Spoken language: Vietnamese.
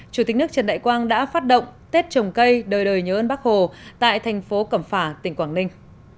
chủ tịch nước trần đại quang đã phát động tết trồng cây đời đời nhớ ơn bác hồ tại thành phố cẩm phả tỉnh quảng ninh